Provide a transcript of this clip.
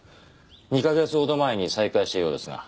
２カ月ほど前に再会したようですが。